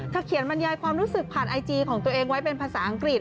เขียนบรรยายความรู้สึกผ่านไอจีของตัวเองไว้เป็นภาษาอังกฤษ